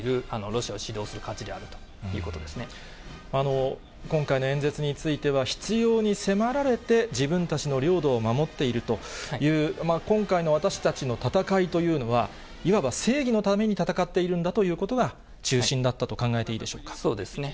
ロシアを指導する価値である今回の演説については、必要に迫られて、自分たちの領土を守っているという、今回の私たちの戦いというのは、いわば正義のために戦っているんだということが中心だったと考えそうですね。